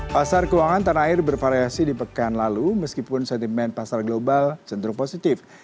pasar keuangan tanah air bervariasi di pekan lalu meskipun sentimen pasar global cenderung positif